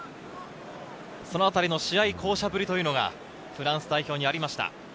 そのあたりの試合巧者ぶりというのがフランス代表にありました。